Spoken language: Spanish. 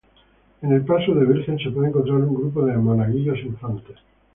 En el paso de Virgen se puede encontrar, un grupo de monaguillos infantes.